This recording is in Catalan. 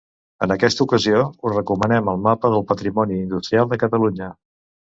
En aquesta ocasió us recomanem el Mapa del Patrimoni Industrial de Catalunya.